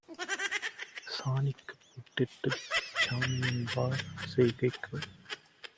சாணிக்குப் பொட்டிட்டுச் சாமிஎன்பார் செய்கைக்கு